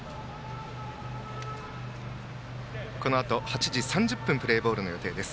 このあと８時３０分プレーボール予定です。